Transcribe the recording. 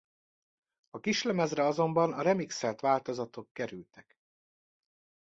A kislemezre azonban a remixelt változatok kerültek.